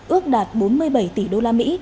ước đạt bốn mươi bảy tỷ usd